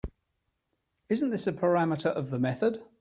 Isn’t this a parameter of the method?